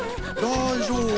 大丈夫。